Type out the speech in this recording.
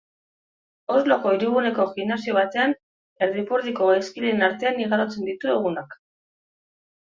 Osloko hiriguneko gimnasio batean erdipurdiko gaizkileen artean igarotzen ditu egunak.